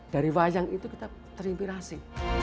dari wayang itu kita terinspirasi